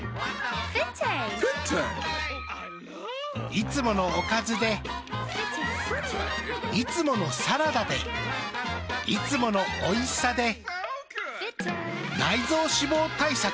いつものおかずでいつものサラダでいつものおいしさで内臓脂肪対策。